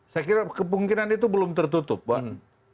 saya kira kemungkinan itu belum tertutup pak